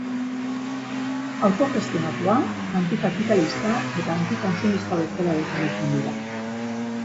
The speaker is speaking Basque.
Autogestionatua, antikapitalista eta antikonsumista bezala definitzen dira.